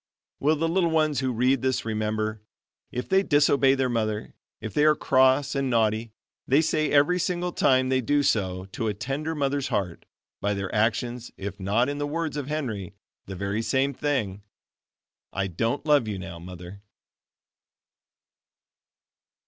Will the little ones who read this remember, if they disobey their mother, if they are cross and naughty, they say every single time they do so, to a tender mother's heart, by their actions if not in the words of Henry, the very same thing, "I don't love you now, Mother."